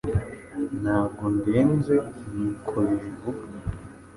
Ntabwo ndenze nuko bibivuga